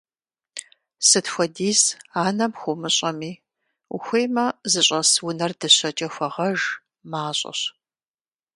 Сыт хуэдиз анэм хуумыщӀэми, ухуеймэ зыщӀэс унэр дыщэкӀэ хуэгъэж – мащӀэщ.